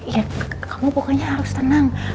ya kamu pokoknya harus tenang